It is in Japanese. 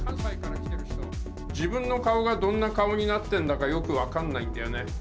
自分の顔がどんな顔になってんだか、よく分かんないんだよね。